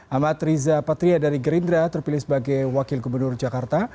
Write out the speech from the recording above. amat riza patria dari gerindra terpilih sebagai wakil gubernur jakarta